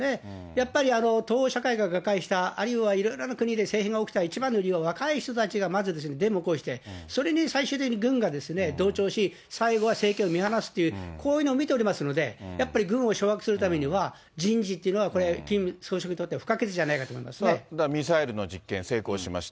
やっぱり東欧社会が瓦解したあるいはいろんな国で政変が起きた理由は若い人たちがそれに最終的に軍がですね、同調し、最後は政権を見放すっていう、こういうのを見ておりますので、やっぱり軍を掌握するためには、人事というのはこれ、キム総書記にとっては不可欠じゃミサイルの実験、成功しました。